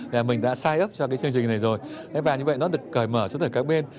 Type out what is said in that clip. là mình đã sign up cho cái chương trình này rồi và như vậy nó được cởi mở cho tất cả các bên